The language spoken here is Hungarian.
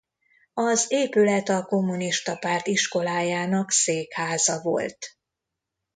Az épület a kommunista párt iskolájának székháza volt.